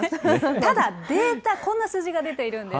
ただ、データ、こんな数字が出ているんです。